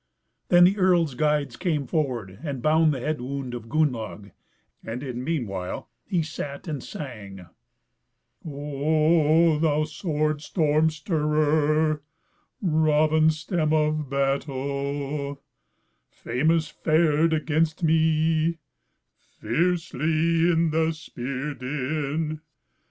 Then the earl's guides came forward and bound the head wound of Gunnlaug, and in meanwhile, he sat and sang: "O thou sword storm stirrer, Raven, stem of battle Famous, fared against me Fiercely in the spear din.